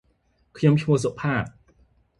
ខ្ញុំឈ្មោះសុផាត